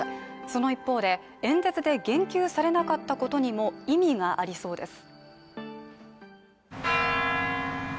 その一方で、演説で言及されなかったことにも意味がありそうです。